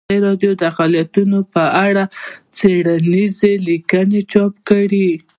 ازادي راډیو د اقلیتونه په اړه څېړنیزې لیکنې چاپ کړي.